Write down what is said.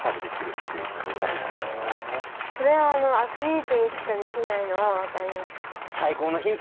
これはアスリートにしかできないのは分かりました。